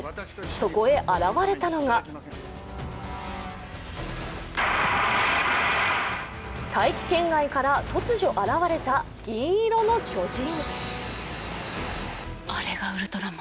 そこへ現れたのが大気圏外から突如現れた銀色の巨人。